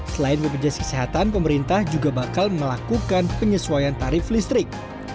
selain bpjs kesehatan pemerintah juga bakal melakukan penyesuaian tarif listrik